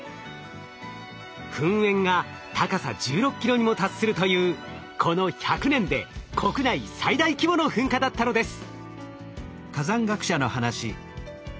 噴煙が高さ１６ｋｍにも達するというこの１００年で国内最大規模の噴火だったのです。